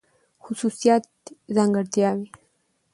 خصوصيات √ ځانګړتياوې